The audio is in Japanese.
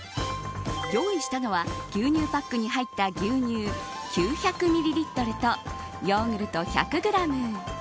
用意したのは牛乳パックに入った牛乳９００ミリリットルとヨーグルト１００グラム。